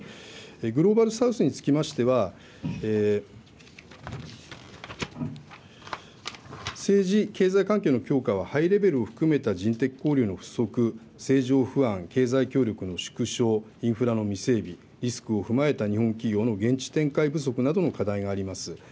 グローバル・サウスにつきましては、政治、経済環境の強化はハイレベルを含めた人的交流の不足、政情不安、経済協力の縮小、インフラの未整備、リスクを踏まえたなどの課題があります。